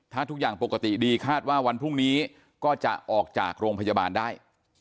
ถ้าทุกอย่างปกติดีคาดว่าวันพรุ่งนี้ก็จะออกจากโรงพยาบาลได้